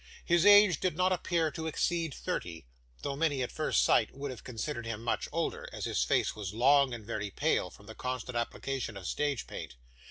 His age did not appear to exceed thirty, though many at first sight would have considered him much older, as his face was long, and very pale, from the constant application of stage paint.